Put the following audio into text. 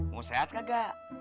mau sehat kagak